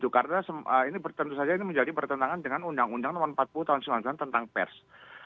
karena ini bertentu saja menjadi pertentangan dengan undang undang tahun empat puluh tahun sejauh ini tentang pers